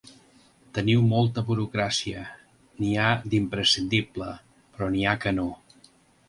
Tenim molta burocràcia, n’hi ha d’imprescindible, però n’hi ha que no.